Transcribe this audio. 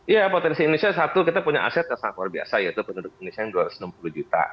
ya potensi indonesia satu kita punya aset yang sangat luar biasa yaitu penduduk indonesia yang dua ratus enam puluh juta